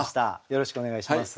よろしくお願いします。